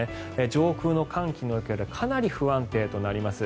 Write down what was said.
上空の寒気の影響でかなり不安定となります。